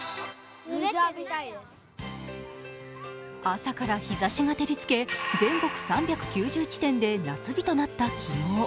朝から日ざしが照りつけ全国３９０地点で夏日となった昨日。